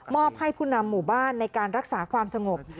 อบให้ผู้นำหมู่บ้านในการรักษาความสงบ